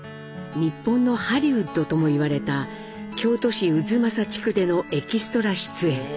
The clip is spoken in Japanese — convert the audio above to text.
日本のハリウッドとも言われた京都市太秦地区でのエキストラ出演。